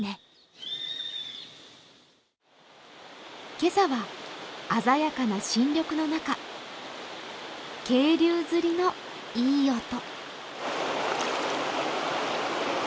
今朝は鮮やかな新緑の中、渓流釣りのいい音。